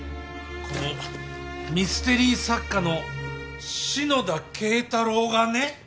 このミステリー作家の篠田敬太郎がね。